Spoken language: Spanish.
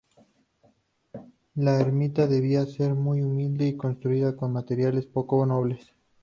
La ermita debía ser muy humilde y construida con materiales poco nobles.